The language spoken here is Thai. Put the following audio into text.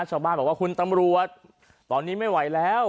ชาวบ้านบอกว่าคุณตำรวจตอนนี้ไม่ไหวแล้ว